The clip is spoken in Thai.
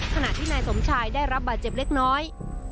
ขณะที่นายสมชายได้รับบาดเจ็บเล็กน้อย